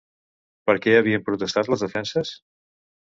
Per què havien protestat les defenses?